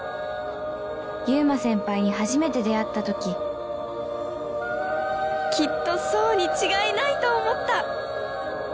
優馬先輩に初めて出会った時きっとそうに違いないと思った！